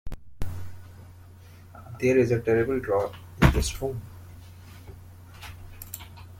There is a terrible draught in this room